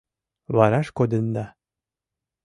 «Вараш кодында.